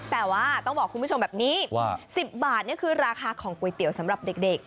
แต่ว่าต้องบอกคุณผู้ชมแบบนี้ว่า๑๐บาทนี่คือราคาของก๋วยเตี๋ยวสำหรับเด็ก